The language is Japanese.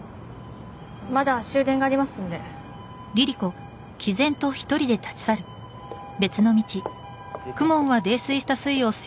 まだ終電がありますんで行こう